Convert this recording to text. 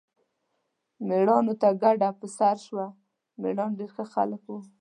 میرانو ته کډه په سر شو، میران ډېر ښه خلک وو.